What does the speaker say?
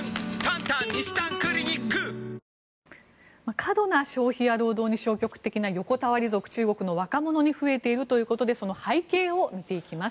過度な消費や労働に消極的な横たわり族中国の若者に増えているということでその背景を見ていきます。